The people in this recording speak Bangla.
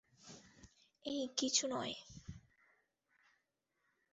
এ কিছুই নয়!